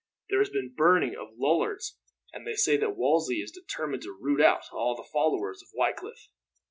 There has been burning of Lollards, and they say that Wolsey is determined to root out all the followers of Wycliffe."